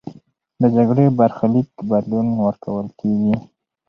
د جګړې برخلیک بدلون ورکول کېږي.